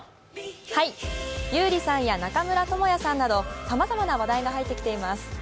優里さんや中村倫也さんなどさまざまな話題が入ってきています。